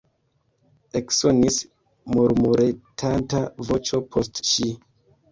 Eksonis murmuretanta voĉo post ŝi.